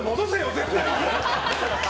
絶対に。